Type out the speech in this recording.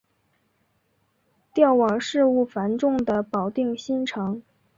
调往事务繁重的保定新城。